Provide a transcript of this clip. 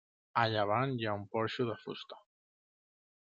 A llevant hi ha un porxo de fusta.